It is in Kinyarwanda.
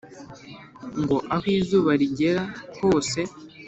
ngo aho izuba rigera hose